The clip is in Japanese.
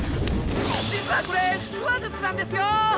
実はこれ腹話術なんですよ！